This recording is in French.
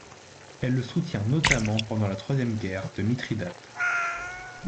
Elle le soutient notamment pendant la troisième guerre de Mithridate.